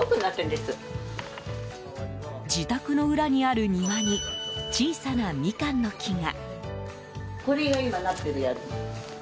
自宅の裏にある庭に小さなミカンの木が。